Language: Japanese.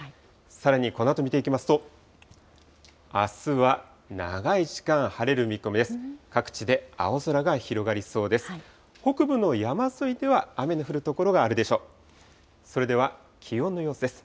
さらにこのあと見ていきますと、あすは長い時間晴れる見込みです。